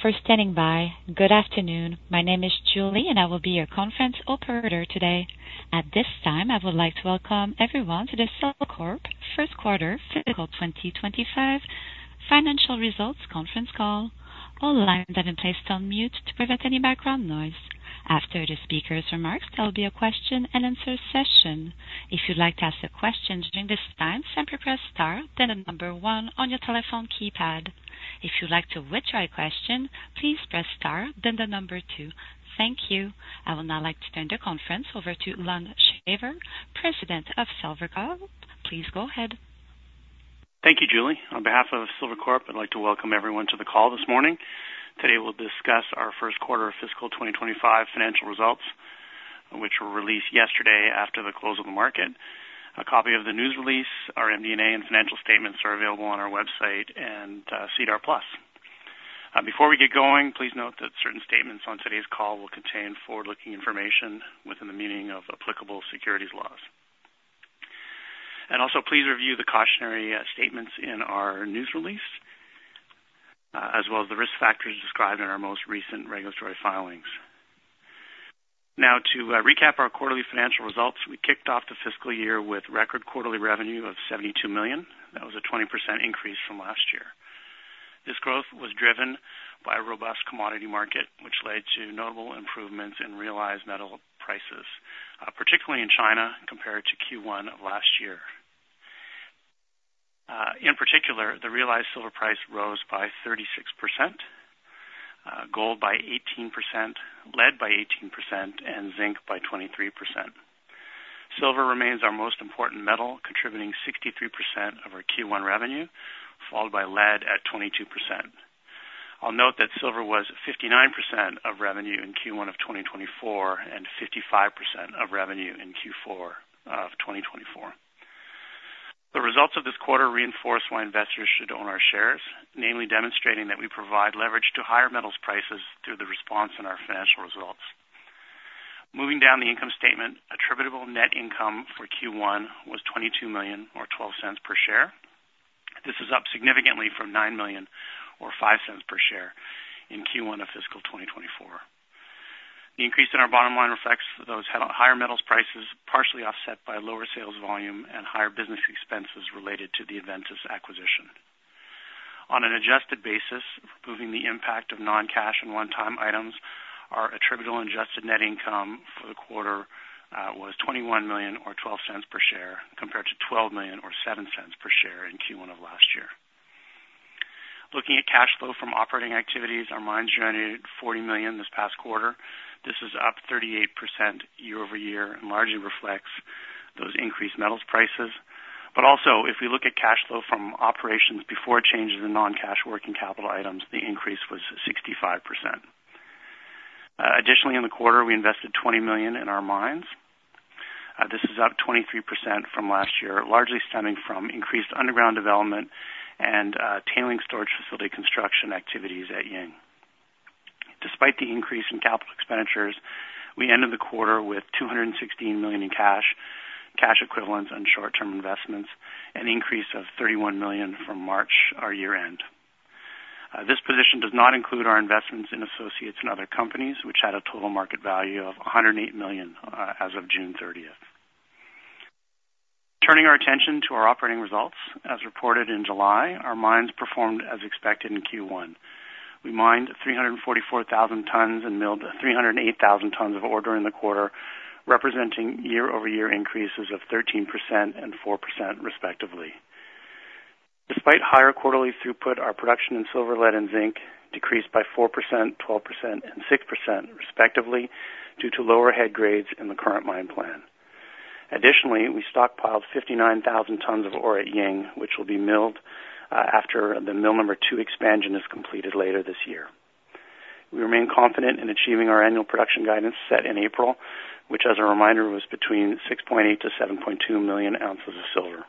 Thank you for standing by. Good afternoon. My name is Julie, and I will be your conference operator today. At this time, I would like to welcome everyone to the Silvercorp Metals First Quarter Fiscal 2025 Financial Results Conference Call. All lines have been placed on mute to prevent any background noise. After the speaker's remarks, there will be a question and answer session. If you'd like to ask a question during this time, simply press star, then the number one on your telephone keypad. If you'd like to withdraw your question, please press star, then the number two. Thank you. I would now like to turn the conference over to Lon Shaver, President of Silvercorp Metals. Please go ahead. Thank you, Julie. On behalf of Silvercorp, I'd like to welcome everyone to the call this morning. Today, we'll discuss our first quarter of fiscal 2025 financial results, which were released yesterday after the close of the market. A copy of the news release, our MD&A, and financial statements are available on our website and SEDAR+. Before we get going, please note that certain statements on today's call will contain forward-looking information within the meaning of applicable securities laws. Also, please review the cautionary statements in our news release, as well as the risk factors described in our most recent regulatory filings. Now, to recap our quarterly financial results, we kicked off the fiscal year with record quarterly revenue of $72 million. That was a 20% increase from last year. This growth was driven by a robust commodity market, which led to notable improvements in realized metal prices, particularly in China, compared to Q1 of last year. In particular, the realized silver price rose by 36%, gold by 18%, lead by 18%, and zinc by 23%. Silver remains our most important metal, contributing 63% of our Q1 revenue, followed by lead at 22%. I'll note that silver was 59% of revenue in Q1 of 2024 and 55% of revenue in Q4 of 2024. The results of this quarter reinforce why investors should own our shares, namely demonstrating that we provide leverage to higher metals prices through the response in our financial results. Moving down the income statement, attributable net income for Q1 was $22 million or $0.12 per share. This is up significantly from $9 million or $0.05 per share in Q1 of fiscal 2024. The increase in our bottom line reflects those higher metals prices, partially offset by lower sales volume and higher business expenses related to the Adventus acquisition. On an adjusted basis, excluding the impact of non-cash and one-time items, our attributable adjusted net income for the quarter was $21 million or $0.12 per share, compared to $12 million or $0.07 per share in Q1 of last year. Looking at cash flow from operating activities, our mines generated $40 million this past quarter. This is up 38% year-over-year and largely reflects those increased metals prices. But also, if we look at cash flow from operations before changes in non-cash working capital items, the increase was 65%. Additionally, in the quarter, we invested $20 million in our mines. This is up 23% from last year, largely stemming from increased underground development and tailings storage facility construction activities at Ying. Despite the increase in capital expenditures, we ended the quarter with $216 million in cash, cash equivalents, and short-term investments, an increase of $31 million from March, our year-end. This position does not include our investments in associates and other companies, which had a total market value of $108 million as of June 30th. Turning our attention to our operating results, as reported in July, our mines performed as expected in Q1. We mined 344,000 tons and milled 308,000 tons of ore during the quarter, representing year-over-year increases of 13% and 4%, respectively. Despite higher quarterly throughput, our production in silver, lead, and zinc decreased by 4%, 12%, and 6%, respectively, due to lower head grades in the current mine plan. Additionally, we stockpiled 59,000 tons of ore at Ying, which will be milled after the mill number two expansion is completed later this year. We remain confident in achieving our annual production guidance set in April, which, as a reminder, was between 6.8 million -7.2 million ounces of silver.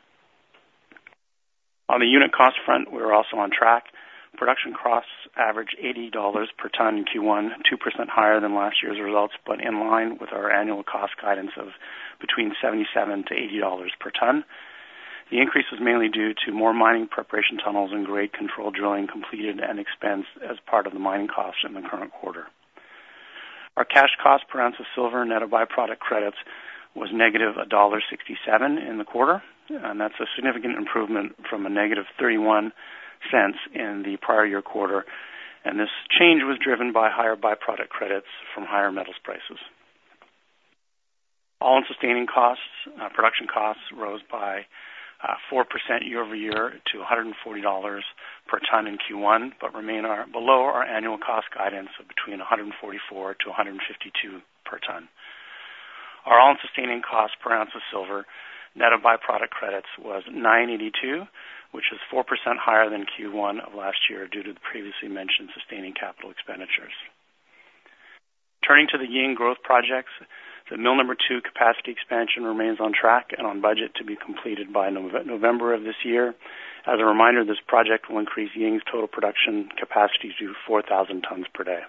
On the unit cost front, we're also on track. Production costs average $80 per ton in Q1, 2% higher than last year's results, but in line with our annual cost guidance of between $77-$80 per ton. The increase was mainly due to more mining preparation tunnels and grade control drilling completed and expensed as part of the mining costs in the current quarter. Our cash cost per ounce of silver, net of byproduct credits, was -$1.67 in the quarter, and that's a significant improvement from -$0.31 in the prior year quarter, and this change was driven by higher byproduct credits from higher metals prices. All-in sustaining costs production costs rose by 4% year-over-year to $140 per ton in Q1, but remain below our annual cost guidance of between $144-$152 per ton. Our all-in sustaining cost per ounce of silver, net of byproduct credits, was $982, which is 4% higher than Q1 of last year due to the previously mentioned sustaining capital expenditures. Turning to the Ying growth projects, the mill number two capacity expansion remains on track and on budget to be completed by November of this year. As a reminder, this project will increase Ying's total production capacity to 4,000 tons per day.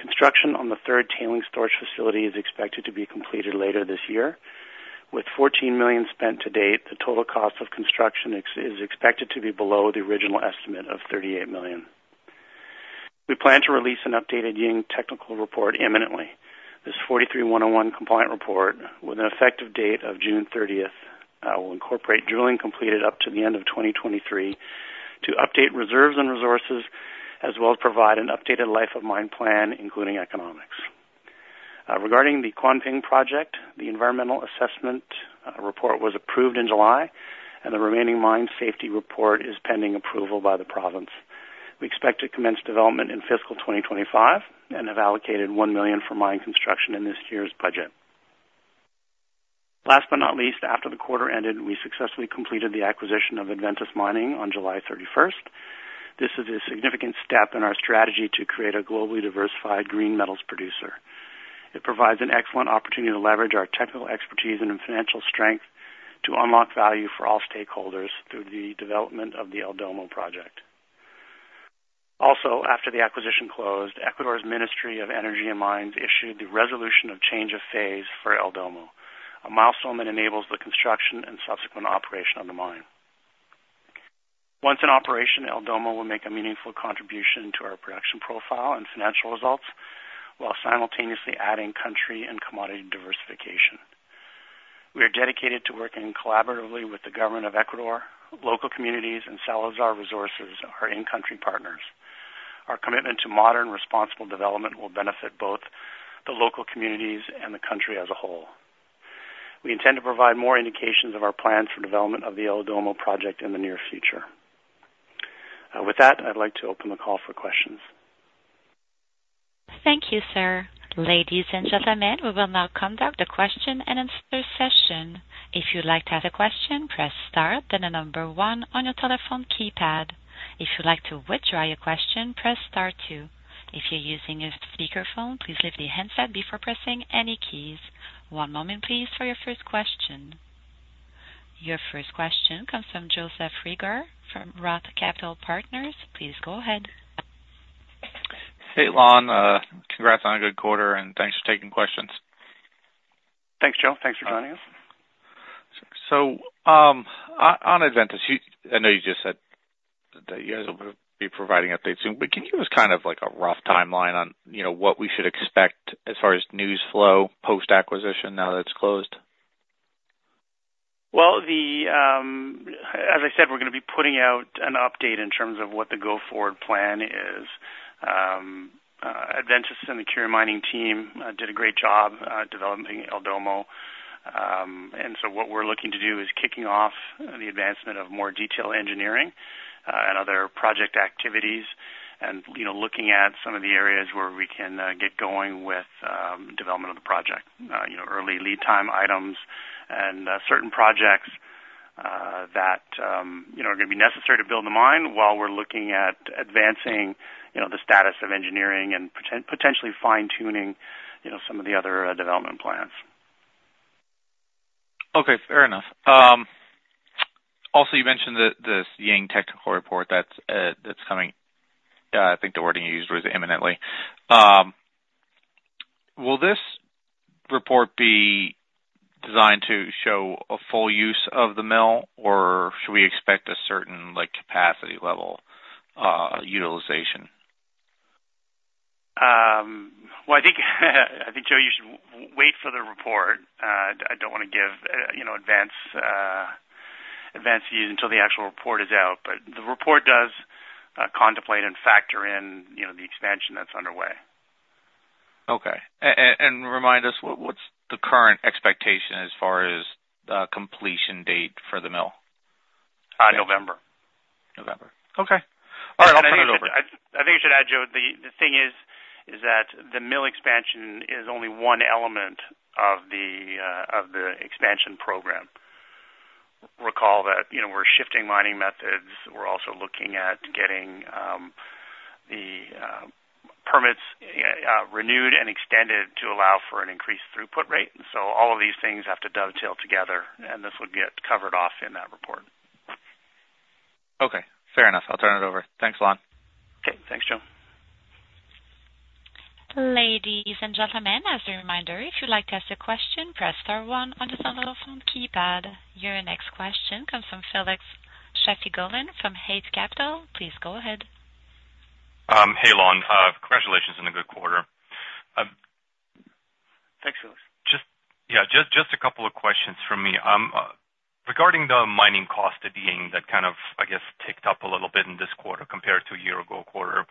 Construction on the third tailings storage facility is expected to be completed later this year, with $14 million spent to date. The total cost of construction is expected to be below the original estimate of $38 million. We plan to release an updated Ying technical report imminently. This 43-101 compliant report, with an effective date of June 30th, will incorporate drilling completed up to the end of 2023, to update reserves and resources, as well as provide an updated life of mine plan, including economics. Regarding the Kuanping project, the environmental assessment report was approved in July, and the remaining mine safety report is pending approval by the province. We expect to commence development in fiscal 2025 and have allocated $1 million for mine construction in this year's budget. Last but not least, after the quarter ended, we successfully completed the acquisition of Adventus Mining on July 31st. This is a significant step in our strategy to create a globally diversified green metals producer. It provides an excellent opportunity to leverage our technical expertise and financial strength to unlock value for all stakeholders through the development of the El Domo project. Also, after the acquisition closed, Ecuador's Ministry of Energy and Mines issued the resolution of change of phase for El Domo, a milestone that enables the construction and subsequent operation of the mine. Once in operation, El Domo will make a meaningful contribution to our production profile and financial results, while simultaneously adding country and commodity diversification. We are dedicated to working collaboratively with the government of Ecuador, local communities, and Salazar Resources, our in-country partners. Our commitment to modern, responsible development will benefit both the local communities and the country as a whole. We intend to provide more indications of our plans for development of the El Domo project in the near future. With that, I'd like to open the call for questions. Thank you, sir. Ladies and gentlemen, we will now conduct a question and answer session. If you'd like to ask a question, press star, then the number one on your telephone keypad. If you'd like to withdraw your question, press star two. If you're using a speakerphone, please lift the handset before pressing any keys. One moment, please, for your first question. Your first question comes from Joseph Reagor from Roth Capital Partners. Please go ahead. Hey, Lon. Congrats on a good quarter, and thanks for taking questions. Thanks, Joe. Thanks for joining us. So, on Adventus, I know you just said that you guys will be providing updates soon, but can you give us kind of like a rough timeline on, you know, what we should expect as far as news flow, post-acquisition, now that it's closed? Well, as I said, we're gonna be putting out an update in terms of what the go-forward plan is. Adventus and the Curimining team did a great job developing El Domo. And so what we're looking to do is kicking off the advancement of more detailed engineering and other project activities, and, you know, looking at some of the areas where we can get going with development of the project. You know, early lead time items and certain projects that you know are gonna be necessary to build the mine, while we're looking at advancing the status of engineering and potentially fine-tuning some of the other development plans. Okay, fair enough. Also, you mentioned this Ying technical report that's coming. I think the wording you used was imminently. Will this report be designed to show a full use of the mill, or should we expect a certain, like, capacity level utilization? Well, I think, I think, Joe, you should wait for the report. I don't want to give, you know, advance, advance you until the actual report is out. But the report does contemplate and factor in, you know, the expansion that's underway. Okay. Remind us, what's the current expectation as far as completion date for the mill? Uh, November. November. Okay. All right, I'll turn it over- I think you should add, Joe, the thing is that the mill expansion is only one element of the expansion program. Recall that, you know, we're shifting mining methods. We're also looking at getting the permits renewed and extended to allow for an increased throughput rate. So all of these things have to dovetail together, and this would get covered off in that report. Okay, fair enough. I'll turn it over. Thanks, Lon. Okay. Thanks, Joe. Ladies and gentlemen, as a reminder, if you'd like to ask a question, press star one on your telephone keypad. Your next question comes from Felix Shafigullin from Eight Capital. Please go ahead. Hey, Lon. Congratulations on a good quarter. Thanks, Felix. Yeah, just a couple of questions from me. Regarding the mining cost at Ying, that kind of, I guess, ticked up a little bit in this quarter compared to a year ago quarter.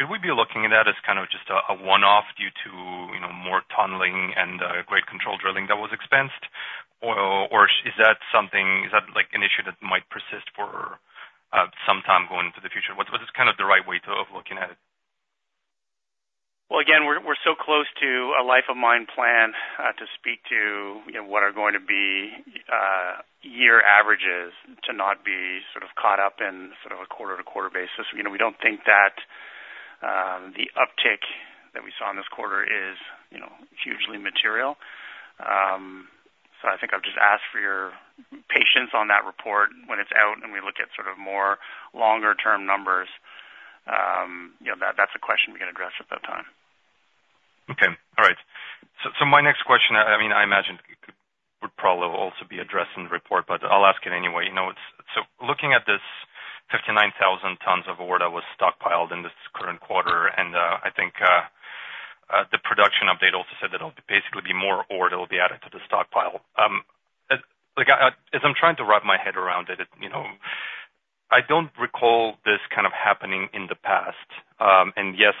Should we be looking at that as kind of just a one-off due to, you know, more tunneling and grade control drilling that was expensed? Or is that something, is that like an issue that might persist for some time going into the future? What is kind of the right way to of looking at it? Well, again, we're so close to a life of mine plan to speak to, you know, what are going to be year averages, to not be sort of caught up in sort of a quarter-to-quarter basis. You know, we don't think that the uptick that we saw in this quarter is, you know, hugely material. So I think I'll just ask for your patience on that report when it's out, and we look at sort of more longer term numbers, you know, that that's a question we can address at that time. Okay, all right. So my next question, I mean, I imagine would probably also be addressed in the report, but I'll ask it anyway. You know, it's so looking at this 59,000 tons of ore that was stockpiled in this current quarter, and I think the production update also said that it'll basically be more ore that will be added to the stockpile. Like, as I'm trying to wrap my head around it, you know, I don't recall this kind of happening in the past. And yes,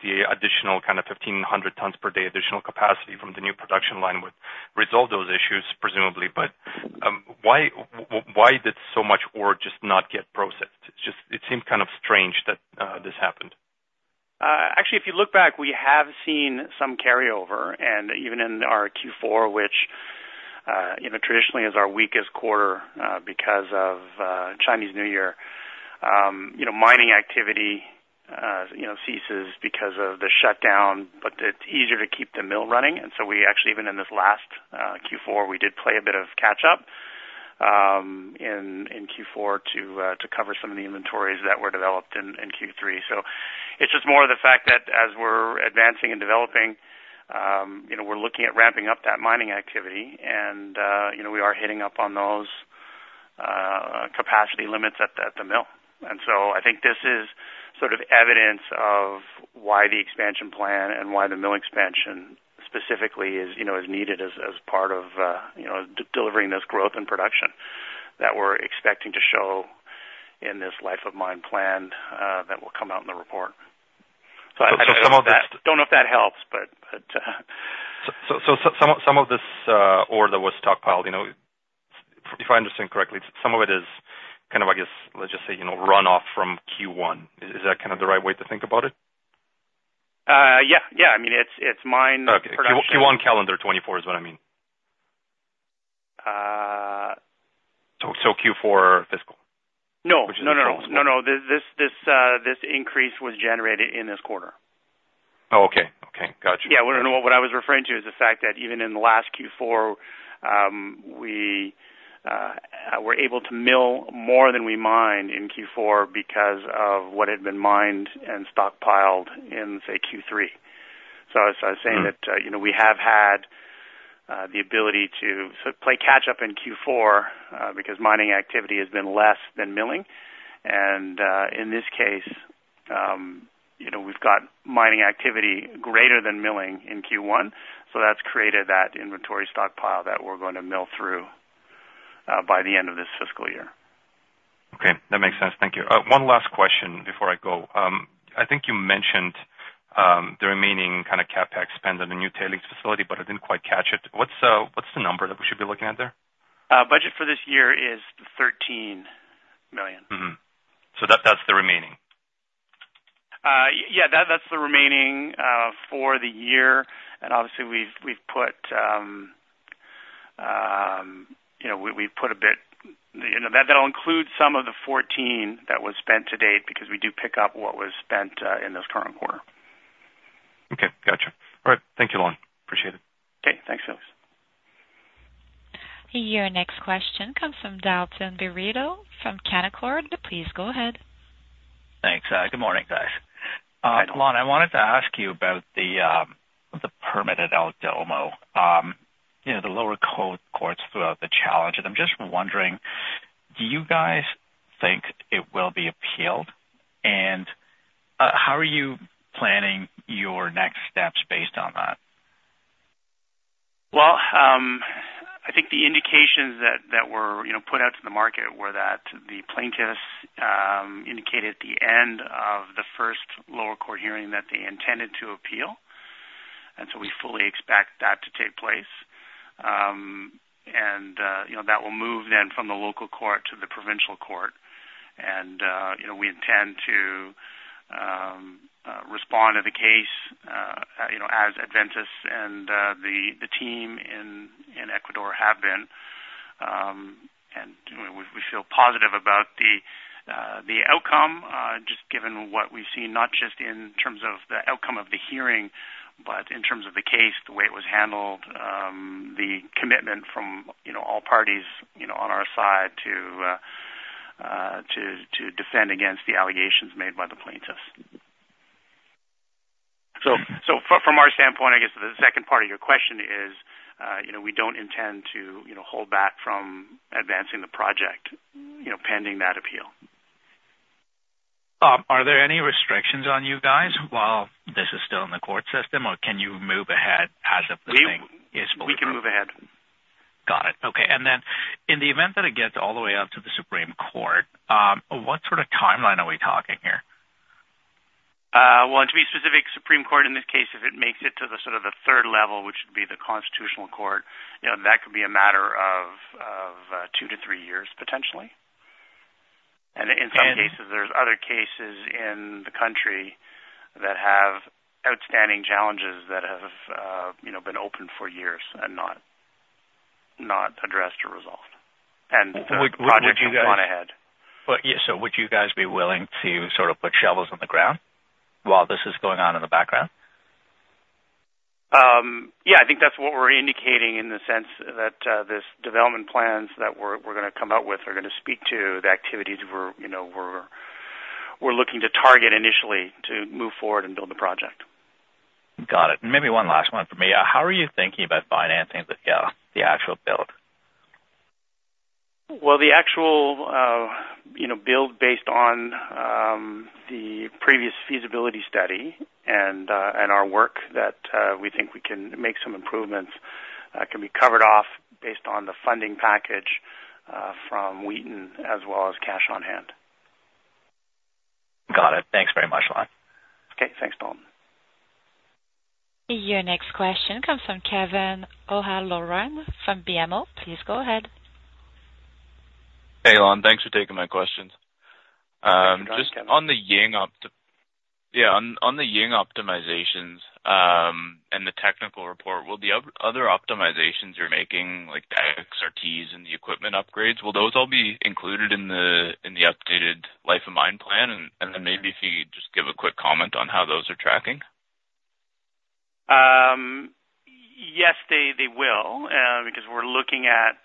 the additional kind of 1,500 tons per day additional capacity from the new production line would resolve those issues, presumably. But why did so much ore just not get processed? It just seemed kind of strange that this happened. Actually, if you look back, we have seen some carryover, and even in our Q4, which, you know, traditionally is our weakest quarter because of Chinese New Year. You know, mining activity, you know, ceases because of the shutdown, but it's easier to keep the mill running. And so we actually, even in this last Q4, we did play a bit of catch up, in Q4 to cover some of the inventories that were developed in Q3. So it's just more of the fact that as we're advancing and developing, you know, we're looking at ramping up that mining activity and, you know, we are hitting up on those capacity limits at the mill. So I think this is sort of evidence of why the expansion plan and why the mill expansion, specifically, you know, is needed as part of, you know, delivering this growth and production that we're expecting to show in this life of mine plan that will come out in the report. So some of this- Don't know if that helps, but, So, some of this ore that was stockpiled, you know, if I understand correctly, some of it is kind of, I guess, let's just say, you know, runoff from Q1. Is that kind of the right way to think about it? Yeah, yeah. I mean, it's, it's mined production. Q1, calendar 2024 is what I mean. Uh. So, Q4 fiscal? No, no, no, no, no. Which is- This increase was generated in this quarter. Oh, okay. Okay. Got you. Yeah. What I was referring to is the fact that even in the last Q4, we were able to mill more than we mined in Q4 because of what had been mined and stockpiled in, say, Q3. So I was saying that, you know, we have had the ability to sort of play catch up in Q4, because mining activity has been less than milling. And, in this case, you know, we've got mining activity greater than milling in Q1, so that's created that inventory stockpile that we're going to mill through, by the end of this fiscal year. Okay, that makes sense. Thank you. One last question before I go. I think you mentioned the remaining kind of CapEx spend on the new tailings facility, but I didn't quite catch it. What's, what's the number that we should be looking at there? Budget for this year is $13 million. Mm-hmm. So that, that's the remaining? Yeah, that's the remaining for the year. And obviously, we've put a bit, you know. You know, that'll include some of the $14 that was spent to date, because we do pick up what was spent in this current quarter. Okay. Gotcha. All right. Thank you, Lon. Appreciate it. Okay, thanks, Felix. Your next question comes from Dalton Baretto from Canaccord. Please go ahead. Thanks. Good morning, guys. Lon, I wanted to ask you about the permit at El Domo. You know, the lower courts threw out the challenge, and I'm just wondering, do you guys think it will be appealed? And, how are you planning your next steps based on that? Well, I think the indications that were, you know, put out to the market were that the plaintiffs indicated at the end of the first lower court hearing that they intended to appeal. And so we fully expect that to take place. You know, that will move then from the local court to the provincial court. You know, we intend to respond to the case, you know, as Adventus and the team in Ecuador have been. And, you know, we feel positive about the outcome, just given what we've seen, not just in terms of the outcome of the hearing, but in terms of the case, the way it was handled, the commitment from, you know, all parties, you know, on our side to defend against the allegations made by the plaintiffs. So, from our standpoint, I guess the second part of your question is, you know, we don't intend to, you know, hold back from advancing the project, you know, pending that appeal. Are there any restrictions on you guys while this is still in the court system, or can you move ahead as of this thing is- We can move ahead. Got it. Okay. And then, in the event that it gets all the way up to the Supreme Court, what sort of timeline are we talking here? Well, to be specific, Supreme Court in this case, if it makes it to the sort of the third level, which would be the Constitutional Court, you know, that could be a matter of two to three years, potentially. And in some cases, there's other cases in the country that have outstanding challenges that have, you know, been open for years and not addressed or resolved, and the project will run ahead. But, yeah, so would you guys be willing to sort of put shovels on the ground while this is going on in the background? Yeah, I think that's what we're indicating in the sense that this development plans that we're gonna come out with are gonna speak to the activities we're, you know, looking to target initially to move forward and build the project. Got it. Maybe one last one for me. How are you thinking about financing the actual build? Well, the actual, you know, build based on the previous feasibility study and our work that we think we can make some improvements can be covered off based on the funding package from Wheaton, as well as cash on hand. Got it. Thanks very much, Lon. Okay. Thanks, Dalton. Your next question comes from Kevin O'Halloran from BMO. Please go ahead. Hey, Lon. Thanks for taking my questions. Just on the Ying optimizations, and the technical report, will the other optimizations you're making, like the XRTs and the equipment upgrades, be included in the updated life of mine plan? And then maybe if you could just give a quick comment on how those are tracking. Yes, they will, because we're looking at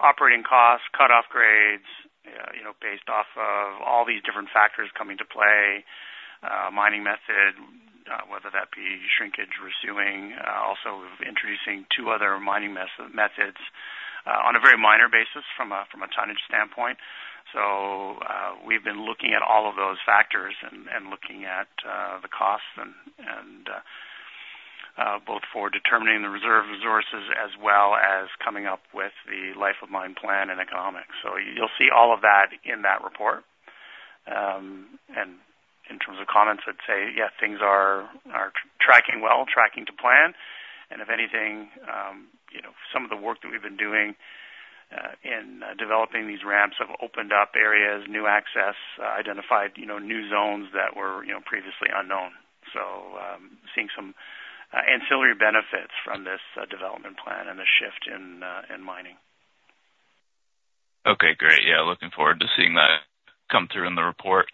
operating costs, cutoff grades, you know, based off of all these different factors coming to play, mining method, whether that be shrinkage, resuing, also introducing two other mining methods, on a very minor basis from a tonnage standpoint. So, we've been looking at all of those factors and looking at the costs and both for determining the reserve resources as well as coming up with the life of mine plan and economics. So you'll see all of that in that report. In terms of comments, I'd say, yes, things are tracking well, tracking to plan, and if anything, you know, some of the work that we've been doing in developing these ramps have opened up areas, new access, identified, you know, new zones that were, you know, previously unknown. So, seeing some ancillary benefits from this development plan and the shift in mining. Okay, great. Yeah, looking forward to seeing that come through in the report.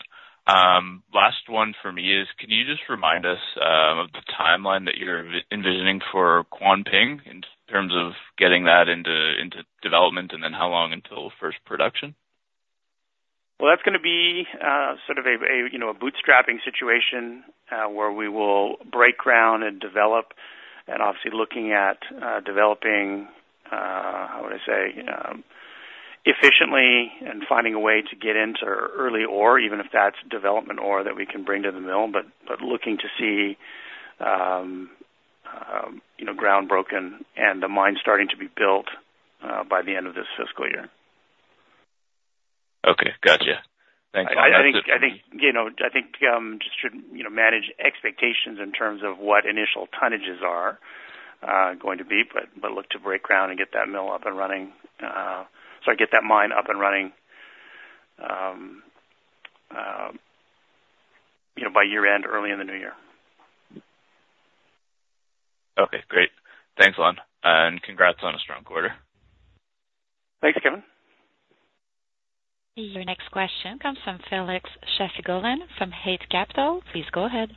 Last one for me is, can you just remind us of the timeline that you're envisioning for Kuanping in terms of getting that into development, and then how long until first production? Well, that's gonna be sort of a, you know, a bootstrapping situation, where we will break ground and develop and obviously looking at developing, how would I say? efficiently and finding a way to get into early ore, even if that's development ore that we can bring to the mill, but looking to see, you know, ground broken and the mine starting to be built, by the end of this fiscal year. Okay, gotcha. Thanks, Lon. I think, you know, just should manage expectations in terms of what initial tonnages are going to be, but look to break ground and get that mill up and running, so I get that mine up and running, you know, by year-end, early in the new year. Okay, great. Thanks, Lon, and congrats on a strong quarter. Thanks, Kevin. Your next question comes from Felix Shafigullin from Eight Capital. Please go ahead.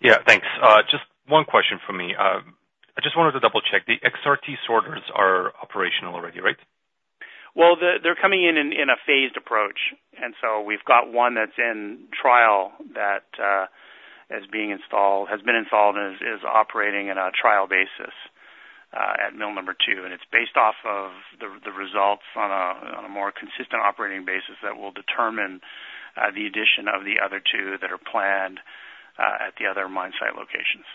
Yeah, thanks. Just one question from me. I just wanted to double-check the XRT sorters are operational already, right? Well, they're coming in a phased approach, and so we've got one that's in trial that is being installed-has been installed and is operating on a trial basis at mill number two. It's based off of the results on a more consistent operating basis that will determine the addition of the other two that are planned at the other mine site locations.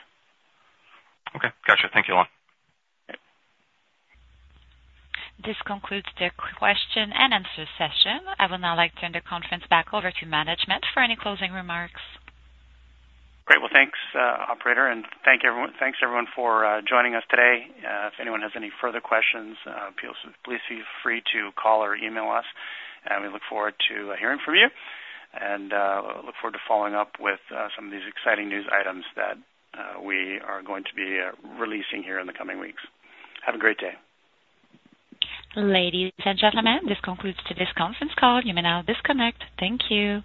Okay, gotcha. Thank you, Lon. Yep. This concludes the question and answer session. I would now like to turn the conference back over to management for any closing remarks. Great. Well, thanks, operator, and thank you everyone—thanks, everyone for joining us today. If anyone has any further questions, please, please feel free to call or email us, and we look forward to hearing from you. And look forward to following up with some of these exciting news items that we are going to be releasing here in the coming weeks. Have a great day. Ladies and gentlemen, this concludes today's conference call. You may now disconnect. Thank you.